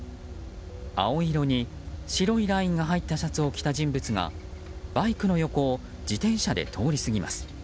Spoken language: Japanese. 青色に白いラインが入ったシャツを着た人物がバイクの横を自転車で通り過ぎます。